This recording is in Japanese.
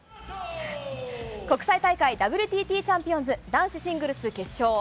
国際大会ＷＴＴチャンピオンズ男子シングルス決勝。